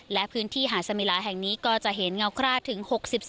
และพื้นที่หาดสมิลาแห่งนี้ก็จะเห็นเงาคราดถึง๖๔